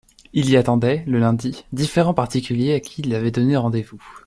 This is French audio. Il y attendait, le lundi, différents particuliers à qui il avait donné rendez-vous.